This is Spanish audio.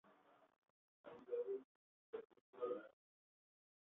Aún cabe recurso a la acción.